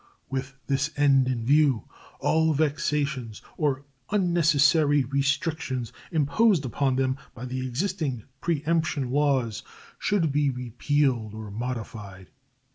With this end in view, all vexatious or unnecessary restrictions imposed upon them by the existing preemption laws should be repealed or modified.